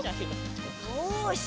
よし！